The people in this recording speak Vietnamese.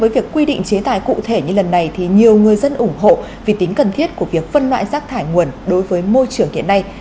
kể như lần này thì nhiều người dân ủng hộ vì tính cần thiết của việc phân loại rác thải nguồn đối với môi trường hiện nay